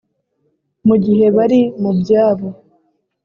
mu gihe bari mu byabo,